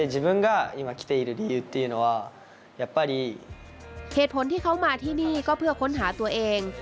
เหตุผลที่เขามาที่นี่ก็เพื่อค้นหาตัวเอง